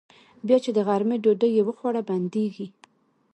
بيا چې د غرمې ډوډۍ يې وخوړه بيدېږي.